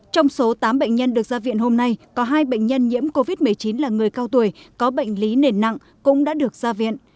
trong số tám bệnh nhân được ra viện hôm nay có hai bệnh nhân nhiễm covid một mươi chín là người cao tuổi có bệnh lý nền nặng cũng đã được ra viện